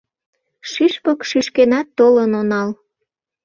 Шӱшпык шӱшкенат толын онал.